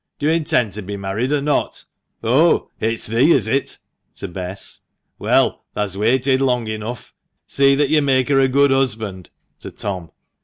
Do you intend to be married or not? Oh! it's thee, is it? [to Bess.] Well, thah's waited long enough, See that you make her a good husband [to Tom.